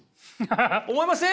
思いません？